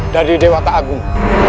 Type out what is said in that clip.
dari dewa tak agung